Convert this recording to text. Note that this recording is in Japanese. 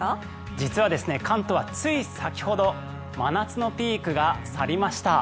実は関東は、つい先ほど真夏のピークが去りました。